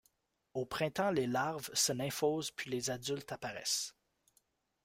Au printemps les larves se nymphosent puis les adultes apparaissent.